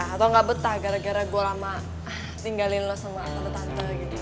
atau nggak betah gara gara gue lama tinggalin lo sama tante tante gitu